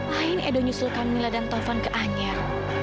lain edo nyusul kamila dan taufan ke anyer